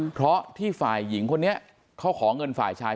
เพราะที่ฝ่ายหญิงคนนี้เขาขอเงินฝ่ายชาย